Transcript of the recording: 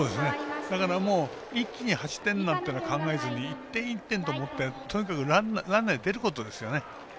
だから一気に８点なんていうのは考えずに１点、１点と思ってとにかくランナーで出ることですよね。